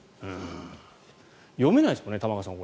読めないですもんね、玉川さん